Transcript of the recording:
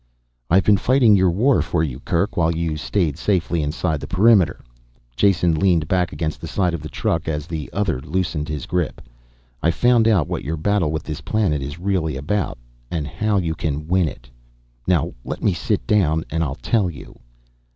_ "I've been fighting your war for you Kerk, while you stayed safely inside the perimeter." Jason leaned back against the side of the truck as the other loosened his grip. "I've found out what your battle with this planet is really about and how you can win it. Now let me sit down and I'll tell you."